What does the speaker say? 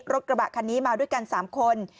รถกระบะคันนี้มาด้วยกัน๓คน